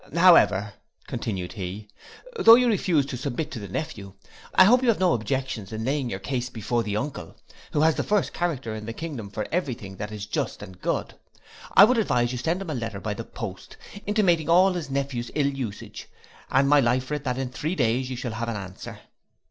'However,' continued he, 'though you refuse to submit to the nephew, I hope you have no objections to laying your case before the uncle, who has the first character in the kingdom for every thing that is just and good. I would advise you to send him a letter by the post, intimating all his nephew's ill usage, and my life for it that in three days you shall have an answer.